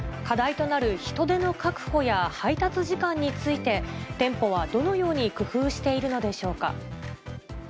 課題となる人手の確保や、配達時間について、店舗はどのように工夫しているのでしょうか。